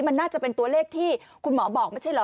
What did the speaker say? มันน่าจะเป็นตัวเลขที่คุณหมอบอกไม่ใช่เหรอ